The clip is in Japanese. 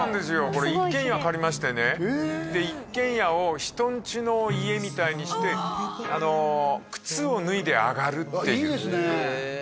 これ一軒家借りましてねで一軒家を人んちの家みたいにして靴を脱いで上がるっていうああいいですね